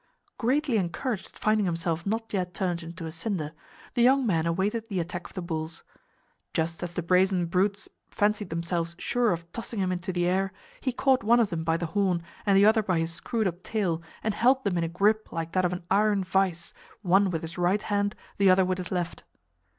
Greatly encouraged at finding himself not yet turned into a cinder, the young man awaited the attack of the bulls. Just as the brazen brutes fancied themselves sure of tossing him into the air he caught one of them by the horn and the other by his screwed up tail and held them in a grip like that of an iron vise, one with his right hand, the other with his left.